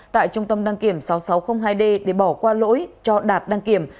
tại trung tâm đăng kiểm sáu nghìn sáu trăm linh hai d để bỏ qua lỗi cho đạt đăng kiểm